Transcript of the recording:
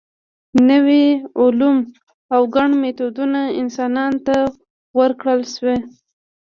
نوي علوم او ګڼ میتودونه انسانانو ته ورکړل شوي.